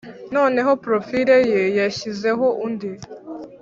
noneho porofile ye yashyizeho undi